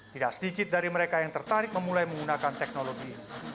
tidak sedikit dari mereka yang tertarik memulai menggunakan teknologi